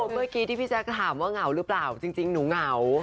เมื่อกี้ที่พี่แจ๊คถามว่าเหงาหรือเปล่าจริงหนูเหงา